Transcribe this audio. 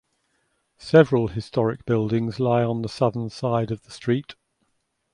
Several historic buildings lie on the southern side of the street.